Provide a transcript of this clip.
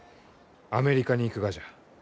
アメリカに行くがじゃ。